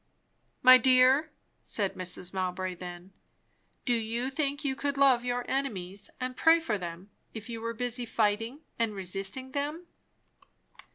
"My dear," said Mrs. Mowbray then, "do you think you could love your enemies and pray for them, if you were busy fighting and resisting them?"